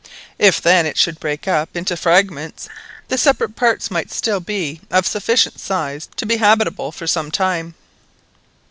If then it should break up into fragments, the separate parts might still be of sufficient size to be habitable for some time.